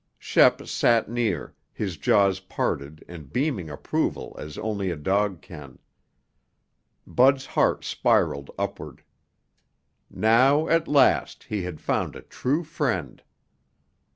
Shep sat near, his jaws parted and beaming approval as only a dog can. Bud's heart spiraled upward. Now, at last, he had found a true friend.